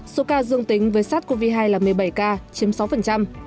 số ca dương tính với sars cov hai là một mươi bảy ca chiếm sáu